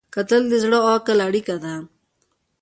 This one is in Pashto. کتل د زړه او عقل اړیکه ده